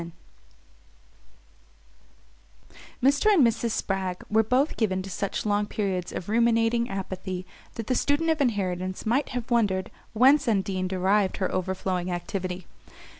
X Mr. and Mrs. Spragg were both given to such long periods of ruminating apathy that the student of inheritance might have wondered whence Undine derived her overflowing activity.